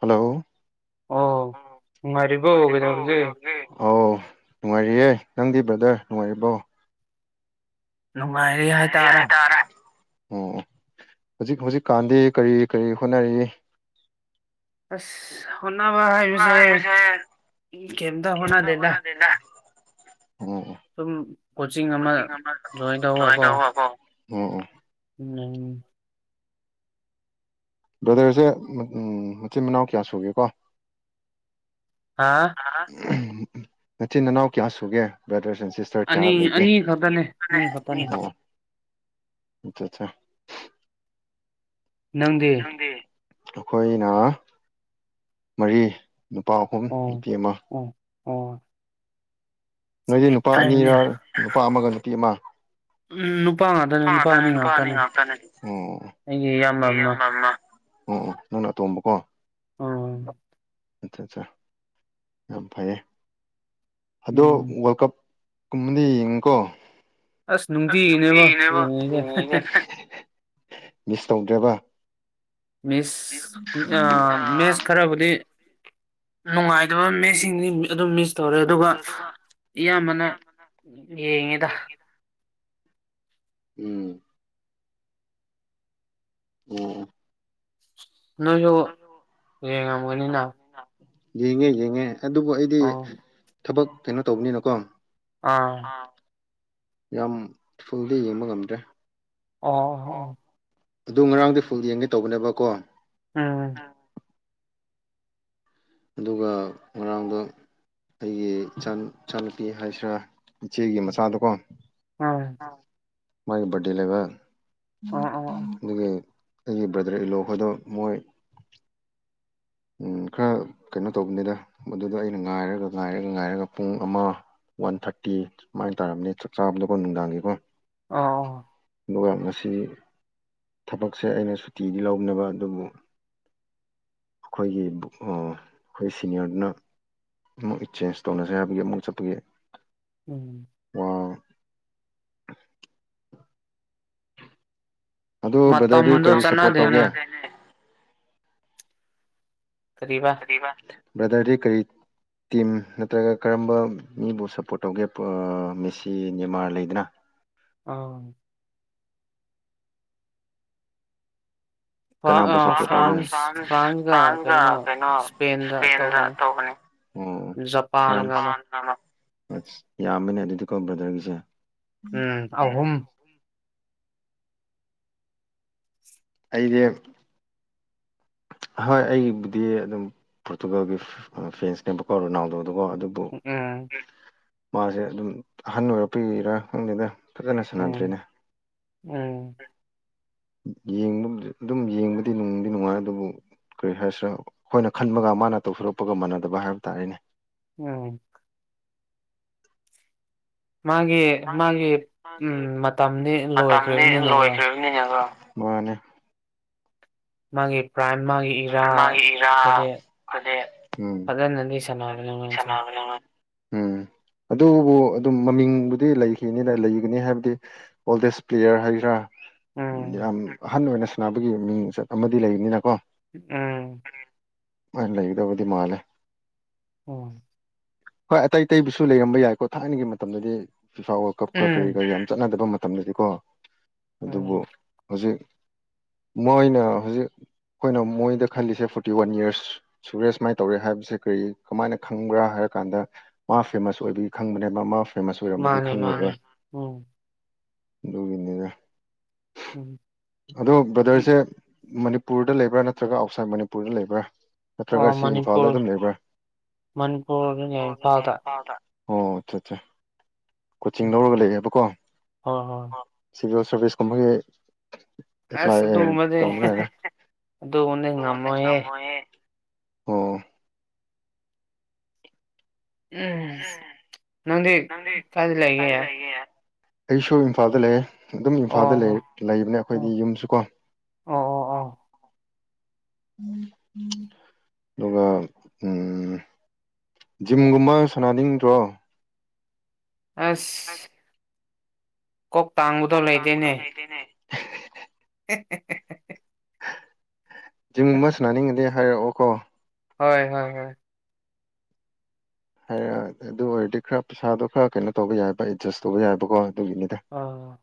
Hello ꯑꯣ ꯅꯨꯡꯉꯥꯏꯔꯤꯕꯣ ꯀꯩꯗꯧꯔꯤꯒꯦ ꯑꯧ ꯅꯨꯡꯉꯥꯏꯔꯤꯌꯦ ꯅꯪꯗꯤ ꯕ꯭ꯔꯗꯔ ꯅꯨꯡꯉꯥꯏꯔꯤꯕꯣ ꯅꯨꯡꯉꯥꯏꯔꯤ ꯉꯥꯏꯔꯤꯌꯦ ꯍꯥꯏꯇꯥꯔꯦ ꯍꯥꯏ ꯇꯥꯔꯦ ꯑꯣ ꯍꯨꯖꯤꯛ ꯍꯨꯖꯤꯛꯀꯥꯟꯗꯤ ꯀꯔꯤ ꯀꯔꯤ ꯍꯣꯠꯅꯔꯤ ꯑꯁ ꯍꯣꯠꯅꯕ ꯍꯥꯏ ꯕꯁꯦ ꯍꯥꯏꯕꯁꯦ ꯑꯩ ꯀꯦꯝꯗ ꯀꯩꯝꯇ ꯍꯣꯠꯅꯗꯦꯗꯥ ꯍꯣꯠꯅꯗꯦꯗ ꯁꯨꯝ ꯀꯣꯆꯤꯡ ꯑꯃ ꯖꯣꯏꯟ ꯇꯧꯋꯀꯣ ꯑꯣ ꯑꯣ ꯎꯝ ꯕ꯭ꯔꯗꯔꯁꯦ ꯃꯆꯤꯟ ꯃꯅꯥꯎ ꯀꯌꯥ ꯁꯨꯒꯦꯀꯣ ꯍꯥꯥ ꯅꯆꯤꯟ ꯅꯅꯥꯎ ꯀꯌꯥ ꯁꯨꯒꯦ ꯕ꯭ꯔꯗꯔꯁ ꯑꯦꯟ ꯁꯤꯁ ꯇꯔ ꯀꯌꯥ ꯑꯅꯤ ꯂꯩꯒꯦ ꯑꯅꯤ ꯈꯛꯇꯅꯦ ꯑꯅꯤ ꯈꯛꯇꯅꯦ ꯑꯣ ꯑꯠꯆꯥꯆꯥ ꯅꯪꯗꯤ ꯑꯩꯈꯣꯏꯅ ꯃꯔꯤ ꯅꯨꯄꯥ ꯑꯍꯨꯝ ꯑꯣ ꯅꯨꯄꯤ ꯑꯃ ꯑꯣ ꯑꯣ ꯅꯣꯏꯗꯤ ꯅꯨꯄꯥ ꯐꯩꯅꯦ ꯑꯅꯤꯔ ꯅꯨꯄꯥ ꯑꯃꯒ ꯅꯨꯄꯤ ꯑꯃ ꯎꯝ ꯅꯨꯄꯥ ꯉꯥꯛꯇꯅꯦ ꯑꯣ ꯍꯣꯏ ꯅꯨꯄꯥ ꯑꯅꯤ ꯉꯥꯛꯇꯅꯦ ꯉꯥꯛꯇꯥꯅꯤ ꯑꯩꯒꯤ ꯏꯌꯥꯝꯕ [unintelligible] ꯑꯃ ꯑꯃ ꯑꯣ ꯑꯣ ꯅꯪꯅ ꯑꯇꯣꯝꯕꯀꯣ ꯑꯥ ꯑꯠꯆꯥ ꯑꯠꯆꯥ ꯌꯥꯝ ꯐꯩꯌꯦ ꯑꯗꯣ ꯎꯝ ꯋꯥꯔꯜ ꯀꯞ ꯀꯨꯝꯕꯗꯤ ꯌꯦꯡꯉꯤꯀꯣ ꯑꯁ ꯅꯨꯡꯇꯤꯒꯤꯅꯦꯕ ꯌꯦꯡꯉꯤꯖꯦ ꯃꯤꯁ ꯇꯧꯗ꯭ꯔꯦꯕ ꯃꯤꯁ ꯁ ꯑꯗꯨꯝ ꯃꯦꯁ ꯃꯤꯁ ꯈꯔꯕꯨꯗꯤ ꯅꯨꯡꯉꯥꯏꯗꯕ ꯃꯦꯁꯁꯤꯡꯗꯤ ꯕꯤ ꯑꯗꯨꯝ ꯃꯤꯁ ꯇꯧꯔꯦ ꯑꯗꯨꯒ ꯏꯌꯥꯝꯕꯅ ꯑꯌꯥꯝꯕꯅ ꯌꯦꯡꯉꯤꯗ ꯎꯝ ꯑꯣ ꯅꯣꯏꯁꯨ ꯅꯪꯖꯨ ꯌꯦꯡꯉꯝꯒꯅꯤꯅ ꯌꯦꯡꯉꯦ ꯌꯦꯡꯉꯦ ꯑꯗꯨꯕꯨ ꯑꯩꯗꯤ ꯑꯣ ꯊꯕꯛ ꯀꯩꯅꯣ ꯇꯧꯕꯅꯤꯅꯀꯣ ꯑꯥ ꯌꯥꯝ ꯐꯨꯜꯗꯤ ꯌꯦꯡꯕ ꯉꯝꯗ꯭ꯔꯦ ꯑꯣ ꯍꯣ ꯑꯗꯨ ꯉꯔꯥꯡꯗꯤ ꯐꯨꯜ ꯌꯦꯡꯒꯦ ꯇꯧꯕꯅꯦꯕ ꯀꯣ ꯎꯝ ꯑꯗꯨꯒ ꯉꯔꯥꯡꯗꯣ ꯑꯩꯒꯤ ꯏꯆꯥ ꯏꯆꯥꯅꯨꯄꯤ ꯍꯥꯏꯁꯤꯔꯥ ꯏꯆꯦꯒꯤ ꯃꯆꯥꯗꯣꯀꯣ ꯎꯝ ꯃꯥꯒꯤ ꯕꯥꯔꯗꯦ ꯂꯩꯕꯥ ꯑꯣ ꯑꯣ ꯑꯣ ꯑꯗꯨꯒꯤ ꯑꯩꯒꯤ ꯕ꯭ꯔꯗꯔ ꯏꯂꯣ ꯈꯣꯏꯗꯣ ꯃꯣꯏ ꯎꯝ ꯈꯔ ꯀꯩꯅꯣ ꯇꯧꯕꯅꯤꯗ ꯃꯗꯨꯗ ꯑꯩꯅ ꯉꯥꯏꯔꯒ ꯉꯥꯏꯔꯒ ꯉꯥꯏꯔꯒ ꯄꯨꯡ ꯑꯃ ꯋꯥꯟ ꯊꯥꯔꯇꯤ ꯁꯨꯃꯥꯏꯅ ꯇꯥꯔꯝꯅꯦ ꯆꯥꯛ ꯆꯥꯕꯗꯣꯀꯣ ꯅꯨꯡꯗꯥꯡꯒꯤꯀꯣ ꯑꯣ ꯑꯗꯨꯒ ꯉꯁꯤ ꯊꯕꯛꯁꯦ ꯑꯩꯅ ꯁꯨꯇꯤꯗꯤ ꯂꯧꯅꯕ ꯑꯗꯨꯕꯨ ꯑꯩꯈꯣꯏꯒꯤ ꯑꯩꯈꯣꯏ ꯁꯤꯅꯤꯌꯔꯗꯨꯅ ꯑꯃꯨꯛ ꯏꯆꯦꯟꯖ ꯇꯧꯅꯁꯦ ꯍꯥꯏꯕꯒꯤ ꯑꯃꯨꯛ ꯆꯠꯄꯒꯤ ꯎꯝ ꯑꯣ ꯑꯗꯨ ꯕ꯭ꯔꯗꯔꯗꯤ ꯃꯇꯝꯗꯣ ꯀꯔꯤ ꯁꯞꯄꯣꯔꯠ ꯆꯠꯅꯗꯦꯅꯦ ꯇꯧꯒꯦ ꯀꯔꯤꯕꯥ ꯕ꯭ꯔꯗꯔꯗꯤ ꯀꯔꯤ ꯇꯤꯝ ꯅꯠꯇ꯭ꯔꯒ ꯀꯔꯝꯕ ꯃꯤꯕꯨ ꯁꯞꯄꯣꯔꯠ ꯇꯧꯒꯦ ꯃꯦꯁꯤ ꯅꯦꯃꯥꯔ ꯂꯩꯗꯅ ꯑꯥ ꯀꯅꯕꯨ ꯑꯥ ꯁꯞꯄꫭꯔꯠ ꯇꯧꯒꯦ ꯐ꯭ꯔꯥꯟꯁ ꯐ꯭ꯔꯥꯟꯁꯒ ꯐ꯭ꯔꯥꯟꯁꯗ ꯀꯩꯅꯣ ꯏꯁꯄꯦꯟꯗ ꯇꯧꯕꯅꯤ ꯇꯧꯕꯅꯦ ꯑꯣ ꯖꯄꯥꯟꯒ ꯐ꯭ꯔꯥꯟꯁ ꯑꯃ ꯑꯁ ꯌꯥꯝꯕꯅꯦ ꯑꯗꯨꯗꯤꯀꯣ ꯕ꯭ꯔꯗꯔꯒꯤꯁꯦ ꯎꯝ ꯑꯍꯨꯝ ꯑꯩꯗꯤ ꯍꯣꯏ ꯑꯩꯕꯨꯗꯤ ꯑꯗꯨꯝ ꯄꯣꯔꯇꯨꯒꯜꯒꯤ ꯐꯦꯟꯁꯅꯦꯕꯀꯣ ꯔꯣꯅꯥꯜꯗꯣꯗꯨꯀꯣ ꯑꯗꯨꯕꯨ ꯎꯝ ꯃꯥꯁꯦ ꯑꯗꯨꯝ ꯑꯍꯟ ꯑꯣꯏꯔꯛꯄꯒꯤꯔꯥ ꯈꯪꯗꯦꯗ ꯐꯖꯅ ꯎꯝ ꯁꯥꯟꯅꯗ꯭ꯔꯦꯅꯦ ꯎꯝ ꯌꯦꯡꯕꯝꯗꯤ ꯑꯗꯨꯝ ꯌꯦꯡꯕꯗꯤ ꯅꯨꯡꯗꯤ ꯅꯨꯡꯉꯥꯏ ꯑꯗꯨꯕꯨ ꯀꯔꯤ ꯍꯥꯏꯁꯤꯔꯥ ꯑꯩꯈꯣꯏꯅ ꯈꯟꯕꯒ ꯃꯥꯅ ꯇꯧꯊꯣꯔꯛꯄꯒ ꯃꯥꯟꯅꯗꯕ ꯍꯥꯏꯕ ꯇꯥꯔꯦꯅꯦ ꯎꯝ ꯃꯥꯒꯤ ꯃꯥꯒꯤ ꯎꯝ ꯃꯇꯝꯗꯤ ꯂꯣꯏꯈ꯭ꯔꯕꯅꯤꯅꯀꯣ ꯃꯤꯅꯀꯣ ꯃꯥꯅꯦ ꯃꯥꯒꯤ ꯄ꯭ꯔꯥꯏꯝ ꯃꯥ ꯃꯥꯒꯤ ꯏꯔꯥ ꯃꯥꯒꯤ [unintelligible] ꯑꯗꯨꯗꯤ ꯏꯔꯥꯗꯨꯗꯤ ꯐꯖꯅꯗꯤ ꯁꯥꯟꯅꯕꯅꯦ [unintelligible] ꯗꯦꯛ ꯁ ꯃꯥꯁꯦ ꯎꯝ ꯑꯗꯨꯕꯨ ꯑꯗꯨꯝ ꯃꯃꯤꯡꯕꯨꯗꯤ ꯂꯩꯈꯤꯕꯅꯤꯅ ꯂꯩꯒꯅꯤ ꯍꯥꯏꯕꯗꯤ ꯑꯣꯜꯗꯦꯁ ꯄ꯭ꯂꯦꯌꯥꯔ ꯍꯥꯏꯁꯤꯔꯥ ꯎꯝ ꯌꯥꯝ ꯑꯍꯟ ꯑꯣꯏꯅ ꯁꯥꯟꯅꯕꯒꯤ ꯃꯤꯡꯆꯠ ꯑꯃꯗꯤ ꯂꯩꯕꯅꯤꯅꯀꯣ ꯑꯝ ꯍꯣꯢ ꯂꯩꯒꯗꯧꯕꯗꯤ ꯃꯥꯜꯂꯦ ꯎꯝ ꯍꯣꯏ ꯑꯇꯩ ꯑꯇꯩꯕꯨꯁꯨ ꯂꯩꯔꯝꯕ ꯌꯥꯏꯀꯣ ꯊꯥꯏꯅꯒꯤ ꯃꯇꯝꯗꯗꯤ ꯐꯤꯐꯥ ꯋꯥꯜ ꯀꯞꯀ ꯀꯔꯤ ꯎꯝ ꯀꯔꯤ ꯌꯥꯝ ꯆꯠꯅꯗꯕ ꯃꯇꯝ ꯃꯇꯝꯗꯗꯤꯀꯣ ꯑꯗꯨꯕꯨ ꯎꯝ ꯍꯧꯖꯤꯛ ꯃꯣꯏꯅ ꯍꯧꯖꯤꯛ ꯑꯩꯈꯣꯏꯅ ꯃꯣꯏꯗ ꯈꯜꯂꯤꯁꯦ ꯐꯣꯔꯇꯤ ꯋꯥꯟ ꯌꯥꯔꯁ ꯁꯨꯔꯦ ꯁꯨꯃꯥꯏ ꯇꯧꯔꯦ ꯍꯥꯏꯕꯁꯦ ꯀꯔꯤ ꯀꯃꯥꯏꯅ ꯈꯪꯕ꯭ꯔꯥ ꯍꯥꯏꯔ ꯀꯥꯟꯗ ꯃꯥ ꯐꯦꯃꯁ ꯑꯣꯏꯕꯒꯤ ꯈꯪꯕꯅꯦꯕ ꯃꯥ ꯃꯥ ꯐꯦꯃꯁ ꯑꯣꯏꯔꯝꯃꯗꯤ ꯃꯥꯅꯦ ꯃꯥꯅꯦ ꯈꯪꯉꫭꯏꯕ ꯎꯝ ꯑꯗꯨꯒꯤꯅꯤꯅꯦ ꯎꯝ ꯑꯗꫭ ꯕ꯭ꯔꯗꯔꯁꯦ ꯃꯅꯤꯄꯨꯔꯗ ꯂꯩꯕ꯭ꯔꯥ, ꯅꯠꯇ꯭ꯔꯒ ꯑꯥꯎꯠꯁꯥꯏꯠ ꯃꯅꯤꯄꯨꯔꯗ ꯂꯩꯕ꯭ꯔꯥ, ꯅꯠꯇ꯭ꯔꯒ ꯁꯤ ꯏꯝꯐꯥꯜꯗ ꯑꯗꯨꯝ ꯂꯩꯕ꯭ꯔꯥ? ꯃꯅꯤꯄꯨꯔꯗ꯫ [unintelligible] ꯀꯣꯆꯤꯡ ꯎꯝ ꯂꯧꯔꯒ ꯂꯩꯌꯦꯕꯀꯣ? ꯍꯣꯏ ꯍꯣꯏ ꯁꯤꯚꯤꯜ ꯁꯥꯔꯚꯤꯁ ꯀꯨꯝꯕꯒꯤ, ꯑꯁ ꯑꯗꯨꯒꯨꯝꯕꯗꯤ ꯑꯗꯨꯒꯨꯝꯕꯗꯤ ꯉꯝꯃꯣꯏꯌꯦ꯫ [unintelligible] ꯑꯣ ꯎꯝ ꯅꯪꯗꯤ ꯀꯥꯏꯗ ꯂꯩꯒꯦ? ꯑꯩꯁꯨ ꯏꯝꯐꯥꯜꯗ ꯂꯩꯌꯦ ꯑꯗꯨꯝ ꯑꯣ ꯏꯝꯐꯥꯜꯗ ꯂꯩ ꯑꯣ ꯂꯩꯕꯅꯦ ꯑꯣ ꯑꯩꯈꯣꯏꯗꯤ ꯌꯨꯝꯁꯨ ꯀꯣ꯫ ꯑꯣ ꯑꯣ ꯑꯣ ꯑꯗꯨꯒ ꯎꯝ, ꯖꯤꯝ ꯒꯨꯝꯕ ꯁꯥꯟꯅꯅꯤꯡꯗ꯭ꯔꯣ? ꯑꯁ [inaudible] ꯀꯣꯛ ꯇꯥꯡꯕꯗꯣ ꯀꯣꯛ ꯂꯩꯗꯦꯅꯦ꯫ [unintelligible] [inaudible] [unintelligible] ꯖꯤꯝ ꯒꯨꯝꯕ ꯁꯅꯥꯅꯤꯡꯉꯗꯤ ꯍꯥꯏꯔꯛꯑꯣ ꯀꯣ꯫ ꯍꯣꯏ ꯍꯣꯏ ꯍꯣꯏ ꯍꯥꯏꯔꯛ ꯑꯗꯨ ꯑꯣꯏꯔꯗꯤ ꯈꯔ ꯄꯩꯁꯥꯗꯣ ꯈꯔ ꯀꯩꯅꯣ ꯇꯧꯕ ꯌꯥꯏꯕ ꯑꯦꯗꯖꯁ ꯇꯧꯕ ꯌꯥꯏꯕꯀꯣ ꯑꯗꯨꯒꯤꯅꯤꯗ꯫ ꯑꯣ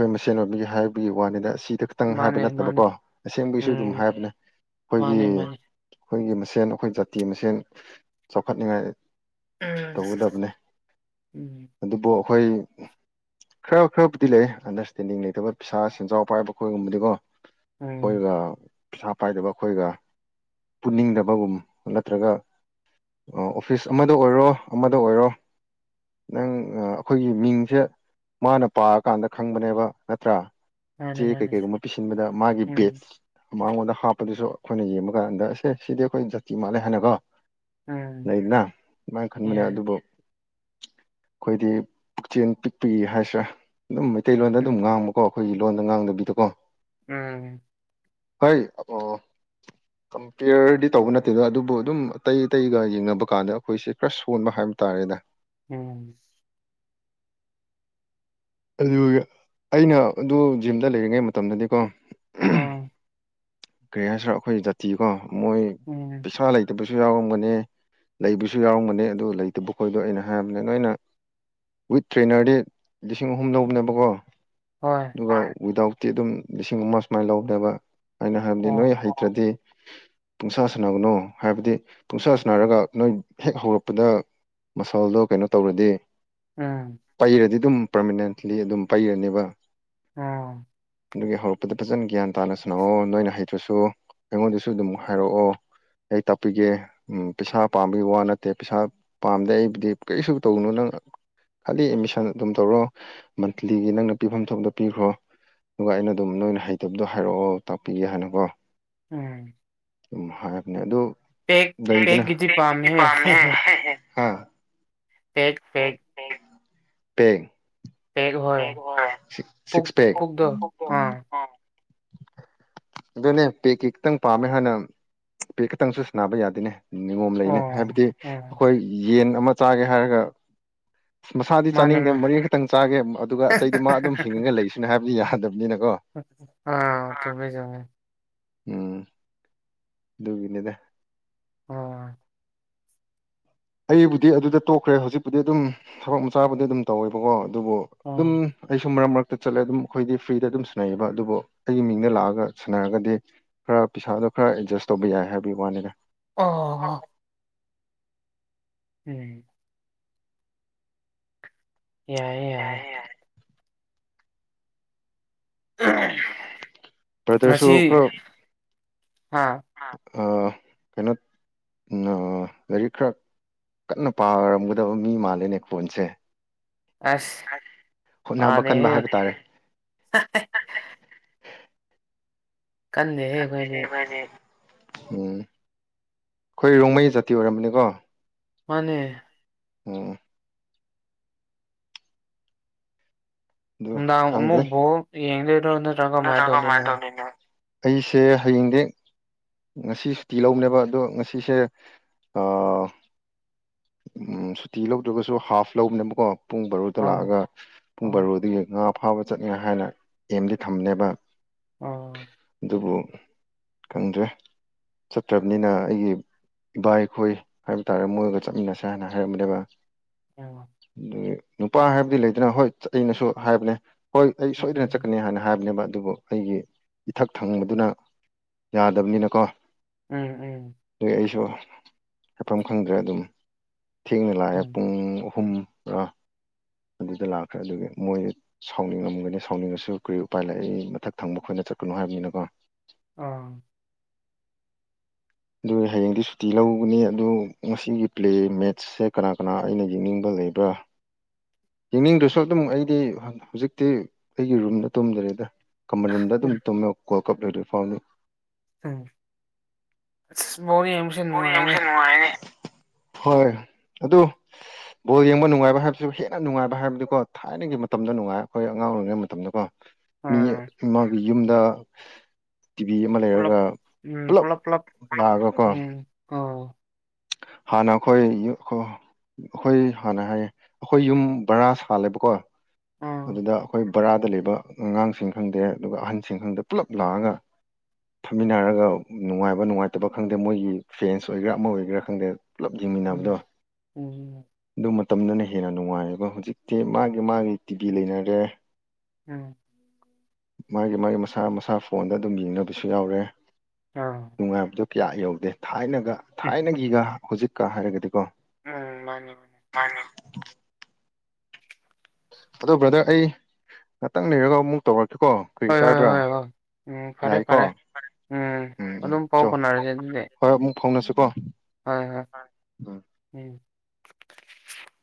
ꯑꯩꯈꯣꯏ ꯃꯁꯦꯟ ꯑꯣꯏꯕꯤꯒꯤ ꯍꯥꯏꯕꯒꯤ ꯋꯥꯅꯤꯗ ꯑꯁꯤꯗ ꯈꯤꯇꯪ ꯍꯥꯏꯕ ꯃꯥꯅꯦ ꯃꯥꯅꯦ ꯅꯠꯇꯕꯀꯣ ꯑꯁꯦꯡꯕꯒꯤꯁꯨ ꯑꯗꯨꯝ ꯎꯝ ꯍꯥꯏꯕꯅꯦ ꯑꯩꯈꯣꯏꯒꯤ, ꯃꯥꯅꯦ ꯃꯥꯅꯦ ꯑꯩꯈꯣꯏꯒꯤ ꯃꯁꯦꯟ ꯑꯩꯈꯣꯏ ꯖꯥꯇꯤ ꯃꯁꯦꯟ꯫ ꯆꯥꯎꯈꯠꯅꯤꯉꯥꯏ ꯎꯝ ꯇꯧꯒꯗꯕꯅꯦ ꯎꯝ ꯑꯗꯨꯕꯨ ꯑꯩꯈꯣꯏ, ꯈꯔ ꯈꯔꯕꯨꯗꯤ ꯂꯩꯌꯦ ꯑꯟꯗꯔꯁꯇꯦꯟꯗꯤꯡ ꯂꯩꯇꯕ ꯄꯩꯁꯥ ꯁꯦꯟꯖꯥꯎ ꯄꯥꯏꯕ ꯈꯣꯏꯒꯨꯝꯕꯗꯤꯀꯣ꯫ ꯎꯝ ꯑꯩꯈꯣꯏꯒ ꯄꯩꯁꯥ ꯄꯥꯏꯗꯕ ꯑꯩꯈꯣꯏꯒ ꯄꯨꯅꯤꯡꯗꯕꯒꯨꯝ ꯅꯠꯇ꯭ꯔꯒ, ꯑꯣꯐꯤꯁ ꯑꯃꯗ ꯑꯣꯏꯔꯣ, ꯑꯃꯗ ꯑꯣꯏꯔꯣ꯫ ꯅꯪ ꯑꯩꯈꯣꯏꯒꯤ ꯃꯤꯡꯁꯦ ꯃꯥꯅ ꯄꯥꯔꯀꯥꯟꯗ ꯈꯪꯕꯅꯦꯕ ꯅꯠꯇ꯭ꯔꯥ? ꯃꯥꯅꯦ ꯆꯦ ꯀꯩ ꯃꯥꯅꯦ ꯀꯩꯒꯨꯝꯕ ꯄꯤꯁꯤꯟꯕꯗ ꯃꯥꯒꯤ ꯕꯦꯠ ꯎꯝ ꯃꯉꯣꯟꯗ ꯍꯥꯞꯄꯗꯨꯁꯨ ꯑꯩꯈꯣꯏꯅ ꯌꯦꯡꯕ ꯀꯥꯟꯗ ꯑꯁꯦ ꯁꯤꯗꯤ ꯑꯩꯈꯣꯏ ꯖꯥꯇꯤ ꯃꯥꯜꯂꯦ ꯍꯥꯏꯅꯀꯣ꯫ ꯎꯝ ꯂꯩꯗꯅ ꯑꯗꯨꯃꯥꯏꯅ ꯈꯟꯕꯅꯦ ꯌꯥꯏ ꯑꯗꯨꯕꯨ, ꯑꯩꯈꯣꯏꯗꯤ ꯄꯨꯛꯆꯦꯟ ꯄꯤꯛꯄꯒꯤ ꯍꯥꯏꯁꯤꯔꯥ ꯑꯗꯨꯝ ꯃꯩꯇꯩꯂꯣꯟꯗ ꯑꯗꯨꯝ ꯎꯝ ꯉꯥꯡꯕ ꯀꯣ ꯑꯩꯈꯣꯏꯒꯤ ꯂꯣꯟꯗ ꯉꯥꯡꯗꯕꯤꯗ ꯀꯣ꯫ ꯎꯝ ꯍꯣꯏ ꯀꯝꯄꯤꯌꯔꯗꯤ ꯇꯧꯕ ꯅꯠꯇꯦꯗ ꯑꯗꯨꯕꯨ ꯑꯗꯨꯝ ꯑꯇꯩ ꯑꯇꯩꯒ ꯌꯦꯡꯅꯕ ꯀꯥꯟꯗ ꯑꯩꯈꯣꯏꯁꯦ ꯈꯔ ꯁꯣꯟꯕ ꯍꯥꯏꯕ ꯇꯥꯔꯦꯗ꯫ ꯎꯝ ꯑꯗꯨꯒ ꯑꯩꯅ ꯑꯗꯨ ꯖꯤꯝꯗ ꯂꯩꯔꯤꯉꯩ ꯃꯇꯝꯗꯗꯤꯀꯣ, ꯎꯝ ꯀꯔꯤ ꯍꯥꯏꯁꯤꯔ ꯑꯩꯈꯣꯏ ꯖꯥꯇꯤꯀꯣ ꯃꯣꯏ ꯎꯝ ꯄꯩꯁꯥ ꯂꯩꯇꯕꯁꯨ ꯌꯥꯎꯔꯝꯒꯅꯤ꯫ ꯂꯩꯕꯁꯨ ꯌꯥꯎꯔꯝꯒꯅꯤ ꯑꯗꯨ ꯂꯩꯇꯕ ꯈꯣꯏꯗꯣ ꯑꯩꯅ ꯍꯥꯏꯔꯝꯕꯅꯦ ꯅꯣꯏꯅ ꯋꯤꯠ ꯇ꯭ꯔꯦꯅꯔꯗꯤ ꯂꯤꯁꯤꯡ ꯑꯍꯨꯝ ꯂꯧꯕꯅꯦꯅꯕꯀꯣ꯫ ꯍꯣꯏ ꯑꯗꯨꯒ ꯋꯤꯗꯥꯎꯠꯇꯤ ꯑꯗꯨꯝ ꯂꯤꯁꯤꯡ ꯑꯃ ꯁꯨꯃꯥꯏꯅ ꯂꯧꯕꯅꯦꯕ ꯑꯩꯅ ꯍꯥꯏꯕꯗꯤ ꯅꯣꯏ ꯑꯣ ꯍꯩꯇ꯭ꯔꯗꯤ ꯄꯨꯡꯁꯥ ꯁꯥꯟꯅꯒꯅꯨ ꯍꯥꯏꯕꯗꯤ ꯄꯨꯡꯁꯥ ꯁꯥꯟꯅꯔꯒ ꯅꯣꯏ ꯍꯦꯛ ꯍꯧꯔꯛꯄꯗ ꯃꯁꯜꯗꯣ ꯀꯩꯅꯣ ꯇꯧꯔꯗꯤ ꯎꯝ ꯄꯩꯔꯗꯤ ꯑꯗꯨꯝ ꯄꯔꯃꯅꯦꯟꯠꯂꯤ ꯑꯗꯨꯝ ꯄꯩꯔꯅꯦꯕ ꯎꯝ ꯑꯗꯨꯒꯤ ꯍꯧꯔꯛꯄꯗ ꯐꯖꯅ ꯒ꯭ꯌꯥꯟ ꯇꯥꯅ ꯁꯥꯅꯑꯣ ꯅꯣꯏꯅ ꯍꯩꯇ꯭ꯔꯁꯨ ꯑꯩꯉꯣꯟꯗꯁꯨ ꯑꯗꯨꯝ ꯍꯥꯏꯔꯛꯑꯣ ꯑꯩ ꯇꯥꯛꯄꯤꯒꯦ ꯎꯝ ꯄꯩꯁꯥ ꯄꯥꯝꯕꯒꯤ ꯋꯥ ꯅꯠꯇꯦ ꯄꯩꯁꯥ ꯄꯥꯝꯗꯦ ꯑꯩꯕꯨꯗꯤ ꯀꯔꯤꯁꯨ ꯇꯧꯅꯨ ꯅꯪ ꯈꯂꯤ ꯑꯦꯠꯃꯤꯁꯟ ꯑꯗꯨꯝ ꯇꯧꯔꯣ ꯃꯟꯠꯂꯤꯒꯤ ꯅꯪꯅ ꯄꯤꯐꯝ ꯊꯣꯛꯕꯗꯨ ꯄꯤꯈ꯭ꯔꯣ ꯑꯗꯨꯒ ꯑꯩꯅ ꯑꯗꯨꯝ ꯅꯣꯏꯅ ꯍꯩꯇꯕꯗꯣ ꯍꯥꯏꯔꯛꯑꯣ ꯇꯥꯛꯄꯤꯒꯦ ꯍꯥꯏꯅꯀꯣ ꯎꯝ ꯎꯝ ꯍꯥꯏꯕꯅꯦ ꯑꯗꯨ ꯄꯦꯛ ꯂꯩꯗꯅ ꯄꯦꯛꯀꯤꯗꯤ ꯄꯥꯝꯃꯦꯍꯦ [unintelligible] ꯄꯦꯛ ꯄꯦꯛ ꯄꯦꯡ ꯄꯦꯛ ꯍꯣꯏ ꯄꯨꯛ ꯁꯤꯛꯁ ꯄꯦꯛ ꯄꯨꯛꯗꯣ ꯑꯥ [inaudible] ꯑꯗꯨꯅꯦ ꯄꯦꯛ ꯀꯤ ꯈꯤꯇꯪ ꯄꯥꯝꯃꯦ ꯍꯥꯟꯅ ꯄꯦꯛ ꯈꯤꯇꯪꯁꯨꯟꯅꯕ ꯌꯥꯗꯦꯅꯦ ꯅꯤꯉꯣꯝ ꯑꯣ ꯂꯩꯅꯦ ꯍꯥꯏꯕꯗꯤ ꯎꯝ ꯑꯩꯈꯣꯏ ꯌꯦꯟ ꯑꯃ ꯆꯥꯒꯦ ꯍꯥꯏꯔꯒ ꯃꯁꯥꯗꯤ ꯃꯥꯅꯦ ꯆꯥꯅꯤꯡꯗꯦ ꯃꯥꯅꯦ ꯃꯔꯤ ꯈꯛꯇꯪ ꯆꯥꯒꯦ ꯑꯗꯨꯒ ꯑꯇꯩꯗꯤ ꯃꯥ ꯑꯗꯨꯝ ꯍꯤꯡꯉ ꯂꯩꯁꯅꯨ ꯍꯥꯏꯕꯗꯤ ꯌꯥꯗꯕꯅꯤꯅꯀꯣ ꯑꯥ ꯆꯨꯝꯃꯦ ꯆꯨꯝꯃꯦ ꯎꯝ ꯑꯗꯨꯒꯤꯅꯤꯗ ꯑꯣ ꯑꯩꯕꯨꯗꯤ ꯑꯗꯨꯗ ꯇꯣꯛꯈ꯭ꯔꯦ ꯍꯧꯖꯤꯛꯄꯨꯗꯤ ꯑꯗꯨꯝ ꯊꯕꯛ ꯃꯆꯥꯕꯨꯗꯤ ꯑꯗꯨꯝ ꯇꯧꯋꯦꯕꯀꯣ ꯑꯗꯨꯕꯨ ꯑꯗꯨꯝ ꯑꯣ ꯑꯩꯁꯨ ꯃꯔꯛ ꯃꯔꯛꯇ ꯆꯠꯂꯦ ꯑꯗꯨꯝ ꯑꯩꯈꯣꯏꯗꯤ ꯐ꯭ꯔꯤꯗ ꯑꯗꯨꯝ ꯁꯥꯟꯅꯩꯌꯦꯕ ꯑꯗꯨꯕꯨ ꯑꯩꯒꯤ ꯃꯤꯡꯗ ꯂꯥꯛꯑꯒ ꯁꯥꯟꯅꯔꯒꯗꯤ ꯈꯔ ꯄꯩꯁꯥꯗꯣ ꯈꯔ ꯑꯦꯗꯖꯁ ꯇꯧꯕ ꯌꯥꯏ ꯍꯥꯏꯕꯒꯤ ꯋꯥꯅꯤꯅ ꯑꯣ ꯎꯝ ꯌꯥꯏꯌꯦ ꯌꯥꯏꯌꯦ ꯕ꯭ꯔꯗꯔꯁꯨ ꯉꯁꯤ ꯍꯥꯥ ꯑ ꯀꯩꯅꯣ [unintelligible] ꯑꯥ ꯂꯥꯏꯔꯤꯛ ꯈꯔ ꯀꯟꯅ ꯄꯥꯔꯝꯒꯗꯕ ꯃꯤ ꯃꯥꯜꯂꯦꯅꯦ ꯈꯣꯟꯁꯦ ꯑꯁ [unintelligible] ꯍꯣꯠꯅꯕ ꯄꯥꯗꯦꯍꯦ ꯀꯟꯕ ꯍꯥꯏꯕ ꯇꯥꯔꯦ [unintelligible] ꯀꯟꯗꯦꯍꯦ ꯑꯩꯈꯣꯏꯗꯤ [unintelligible] ꯎꯝ ꯑꯩꯈꯣꯏ ꯔꯣꯡꯃꯩ ꯖꯥꯇꯤ ꯑꯣꯏꯔꯝꯕꯅꯤꯀꯣ ꯃꯥꯅꯦ ꯎꯝ ꯑꯗꯨ ꯅꯨꯡꯗꯥꯡ ꯈꯪꯗꯦ ꯑꯃꯨꯛ ꯕꯣꯜ ꯌꯦꯡꯗꯣꯏꯔꯣ ꯅꯠꯇ꯭ꯔꯒ ꯀꯃꯥꯏꯅ [unintelligible] ꯇꯧꯗꯣꯏꯅꯣ ꯑꯪ ꯑꯩꯁꯦ ꯍꯌꯦꯡꯗꯤ ꯉꯁꯤ ꯁꯨꯇꯤ ꯂꯧꯕꯅꯦꯕ ꯑꯗꯣ ꯉꯁꯤꯁꯦ ꯑꯥ ꯎꯝ ꯁꯨꯇꯤ ꯂꯧꯗ꯭ꯔꯒꯁꯨ ꯍꯥꯐ ꯂꯧꯕꯅꯦꯕꯀꯣ ꯄꯨꯡ ꯕꯥꯔꯣꯗ ꯑꯣ ꯂꯥꯛꯑꯒ ꯄꯨꯡ ꯕꯥꯔꯣ ꯉꯥ ꯐꯥꯕ ꯆꯠꯅꯤꯉꯥꯏ ꯍꯥꯏꯅ ꯑꯦꯝꯗꯤ ꯊꯝꯅꯦꯕ ꯑ ꯑꯗꯨꯕꯨ ꯈꯪꯗ꯭ꯔꯦ ꯆꯠꯇ꯭ꯔꯕꯅꯤꯅ ꯑꯩꯒꯤ ꯏꯕꯥꯏꯈꯣꯏ ꯍꯥꯏꯕ ꯇꯥꯔꯦ ꯃꯣꯏꯒ ꯆꯠꯃꯤꯟꯅꯁꯦ ꯍꯥꯏꯅ ꯍꯥꯏꯔꯝꯕꯅꯦꯕ ꯑꯗꯨ ꯅꯨꯄꯥ ꯍꯥꯏꯕꯗꯤ ꯂꯩꯗꯅ ꯍꯣꯏ ꯑꯩꯅꯁꯨ ꯍꯥꯏꯕꯅꯦ ꯍꯣꯏ ꯑꯩ ꯁꯣꯏꯗꯅ ꯎꯝ ꯆꯛꯀꯅꯤ ꯍꯥꯏꯅ ꯍꯥꯏꯕꯅꯦꯕ ꯑꯗꯨꯕꯨ ꯑꯩꯒꯤ ꯏꯊꯛ ꯊꯪꯕꯗꯨꯅ ꯌꯥꯗꯕꯅꯤꯅꯀꯣ ꯎꯝ ꯎꯝ ꯑꯗꯨꯏ ꯑꯩꯁꯨ ꯍꯥꯏꯐꯝ ꯈꯪꯗ꯭ꯔꯦ ꯑꯗꯨꯝ ꯊꯦꯡꯅ ꯂꯥꯛꯑꯦ ꯎꯝ ꯄꯨꯡ ꯑꯍꯨꯝꯔ ꯑꯗꯨꯗ ꯂꯥꯛꯈ꯭ꯔꯦ ꯑꯗꯨꯒꯤ ꯃꯣꯏ ꯁꯥꯎꯅꯤꯡ ꯉꯝꯒꯅꯤ ꯁꯥꯎꯅꯤꯡꯉꯁꯨ ꯀꯔꯤ ꯎꯄꯥꯏ ꯂꯩ ꯃꯊꯛ ꯊꯪꯕ ꯈꯣꯏꯅ ꯆꯠꯀꯅꯨ ꯍꯥꯏꯕꯅꯤꯅꯀꯣ ꯑꯥ ꯗꯨꯏ ꯍꯌꯦꯡꯗꯤ ꯁꯨꯇꯤ ꯂꯧꯒꯅꯤ ꯑꯗꯨ ꯉꯁꯤꯒꯤ ꯄ꯭ꯂꯦ ꯃꯦꯠꯆ ꯁꯦ ꯀꯅꯥ ꯀꯅꯥ ꯑꯩꯅ ꯌꯦꯡꯅꯤꯡꯕ ꯂꯩꯕ꯭ꯔꯥ ꯌꯦꯡꯅꯤꯡꯗ꯭ꯔꯁꯨ ꯑꯗꯨꯝ ꯑꯩꯗꯤ ꯍꯨꯖꯤꯛꯇꯤ ꯑꯩꯒꯤ ꯔꯨꯝꯗ ꯇꯨꯝꯗꯔꯦꯗ ꯀꯃꯟ ꯔꯨꯝꯗ ꯑꯗꯨꯝ ꯎꯝ ꯇꯨꯝꯃꯦ ꯋꯥꯜ ꯀꯞ ꯂꯣꯏꯗ꯭ꯔꯤ ꯐꯥꯎꯗꯤ ꯑꯪ ꯑꯁ ꯕꯣꯜ ꯌꯦꯡꯕꯁꯤ ꯕꯣꯜ ꯌꯦꯡꯕꯁꯦ ꯅꯨꯉꯥꯏꯌꯦꯅꯦ ꯍꯣꯏ ꯑꯗꯨ ꯕꯣꯜ ꯌꯦꯡꯕ ꯅꯨꯡꯉꯥꯏꯕ ꯍꯥꯏꯕꯁꯨ ꯍꯦꯟꯅ ꯅꯨꯡꯉꯥꯏꯕ ꯍꯥꯏꯕꯗꯤꯀꯣ ꯊ ꯊꯥꯏꯅꯒꯤ ꯃꯇꯝꯗ ꯅꯨꯡꯉꯥꯏ ꯑꯈꯣꯏ ꯑꯉꯥꯡ ꯑꯣꯏꯔꯤꯉꯩ ꯃꯇꯝꯗꯀꯣ ꯃꯤ ꯑꯥ ꯑꯃꯒꯤ ꯌꯨꯝꯗ ꯇꯤꯚꯤ ꯑꯃ ꯄꯨꯂꯞ ꯂꯩꯔꯒ ꯎꯝ ꯄꯨꯂꯞ ꯂꯥꯛꯑꯒꯀꯣ ꯑ ꯍꯥꯟꯅ ꯑꯈꯣꯏ [unintelligible] ꯑꯈꯣꯏ ꯍꯥꯟꯅ ꯍꯥꯏꯌꯦ ꯑꯈꯣꯏ ꯌꯨꯝ ꯕꯔꯥ ꯁꯥꯜꯂꯦꯕꯀꯣ ꯑꯥ ꯑꯗꯨꯗ ꯑꯈꯣꯏ ꯕꯔꯥꯗ ꯂꯩꯕ ꯑꯉꯥꯡꯁꯤꯡ ꯈꯪꯗꯦ ꯑꯗꯨꯒ ꯑꯍꯟꯁꯤꯡ ꯈꯪꯗꯦ ꯄꯨꯜꯂꯞ ꯂꯥꯛꯑꯒ ꯐꯝꯃꯤꯟꯅꯔꯒ ꯅꯨꯡꯉꯥꯏꯕ ꯅꯨꯡꯉꯥꯏꯇꯕ ꯈꯪꯗꯦ ꯃꯣꯏꯒꯤ ꯐꯦꯟꯁ ꯑꯣꯏꯒꯦꯔꯥ ꯑꯃ ꯑꯣꯏꯒꯦꯔꯥ ꯈꯪꯗꯦ ꯄꯨꯂꯞ ꯌꯦꯡꯃꯤꯟꯅꯕꯗꯣ ꯎꯝ ꯎꯝ ꯑꯗꯨ ꯃꯇꯝꯗꯨꯅ ꯍꯦꯟꯅ ꯅꯨꯡꯉꯥꯏꯌꯦꯕ ꯍꯧꯖꯤꯛꯇꯤ ꯃꯥꯒꯤ ꯃꯥꯒꯤ ꯇꯤꯚꯤ ꯂꯩꯅꯔꯦ ꯎꯝ ꯃꯥꯒꯤ ꯃꯥꯒꯤ ꯃꯁꯥ ꯃꯁꯥ ꯐꯣꯟꯗ ꯑꯗꯨꯝ ꯌꯦꯡꯅꯕꯁꯨ ꯌꯥꯎꯔꯦ ꯑꯥ ꯅꯨꯡꯉꯥꯏꯕꯗꯣ ꯀꯌꯥ ꯌꯧꯗꯦ ꯊꯥꯏꯅꯒ ꯎꯝ ꯊꯥꯏꯅꯒꯤꯒ ꯍꯨꯖꯤꯛꯀ ꯍꯥꯏꯔꯒꯗꯤꯀꯣ ꯎꯝ ꯃꯥꯅꯤ ꯍꯣꯏ ꯃꯥꯅꯤ ꯑꯗꯣ ꯕ꯭ꯔꯗꯔ ꯑꯩ ꯉꯥꯇꯪ ꯂꯩꯔꯒ ꯑꯃꯨꯛ ꯇꯧꯔꯛꯀꯦꯀꯣ ꯀꯔꯤ ꯍꯣꯏ ꯍꯣꯏ ꯀꯥꯏꯕ꯭ꯔꯥ ꯍꯣꯏ ꯍꯣꯏ ꯎꯝ ꯐꯔꯦ ꯌꯥꯏꯀꯣ ꯐꯔꯦ ꯎꯝ ꯎꯝ ꯑꯗꯨꯝ ꯄꯥꯎ ꯆꯣ ꯐꯥꯎꯅꯔꯖꯦ ꯑꯗꯨꯗꯤ ꯍꯣꯏ ꯑꯃꯨꯛ ꯐꯥꯎꯅꯁꯤꯀꯣ ꯍꯣꯏ ꯍꯣꯏ ꯎꯝ ꯎꯝ